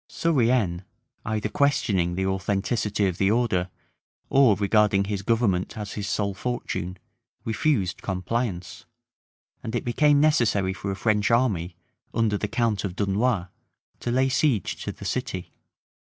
Surienne, either questioning the authenticity of the order, or regarding his government as his sole fortune, refused compliance; and it became necessary for a French army, under the count of Dunois, to lay siege to the city.